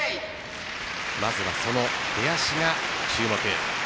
まずはその出だしが注目。